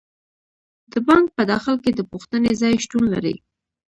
د بانک په داخل کې د پوښتنې ځای شتون لري.